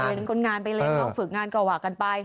ไปเลี้ยงคนงานไปเลี้ยงฝึกงานกว่ากันไป